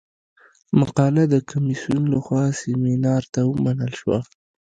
مقاله د کمیسیون له خوا سیمینار ته ومنل شوه.